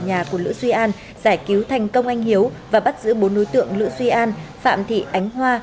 nhà của lữ duy an giải cứu thành công anh hiếu và bắt giữ bốn đối tượng lữ duy an phạm thị ánh hoa